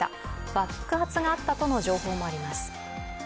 爆発があったとの情報もあります。